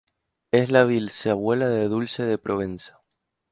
Es la bisabuela de Dulce de Provenza.